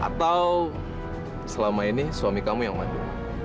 atau selama ini suami kamu yang maju